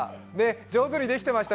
上手にできてました。